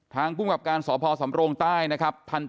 ตรงนี้คือหน้าซอยและในภาพกล้องอุงจรปิดแต่ก่อนหน้านี้เข้าไปในซอย